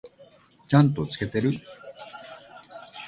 ちゃんと付けてる？